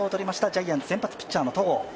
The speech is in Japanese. ジャイアンツ、先発ピッチャーの戸郷